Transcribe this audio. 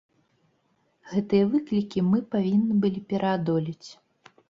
Гэтыя выклікі мы павінны былі пераадолець.